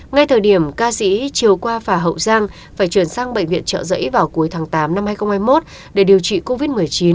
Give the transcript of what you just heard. ngay thời điểm ca sĩ chiều qua phà hậu giang phải chuyển sang bệnh viện trợ giấy vào cuối tháng tám năm hai nghìn hai mươi một để điều trị covid một mươi chín